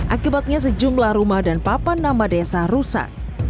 akibatnya sejumlah rumah dan papan nama desa rusak